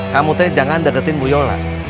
kamu jangan deketin bu yola